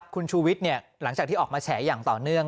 คุณชูวิทย์หลังจากที่ออกมาแฉอย่างต่อเนื่อง